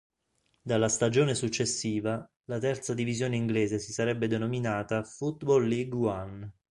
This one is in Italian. Dalla stagione successiva, la terza divisione inglese si sarebbe denominata "Football League One".